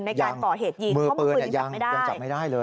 ในการก่อเหตุยิงเพราะมือปืนยังจับไม่ได้